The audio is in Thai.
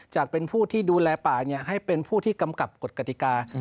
จากเป็นผู้ที่ดูแลป่าให้เป็นผู้ที่กำกับกฎกติกา